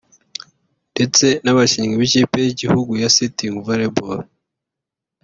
ndetse n’abakinnyi b’ikipe y’igihugu ya Sitting Volleyball